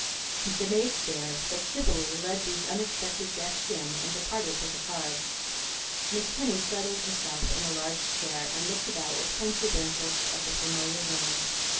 The maid stared, but civilly led these unexpected guests in and departed with the card. Miss Penny settled herself in a large chair and looked about with pensive interest at the familiar room.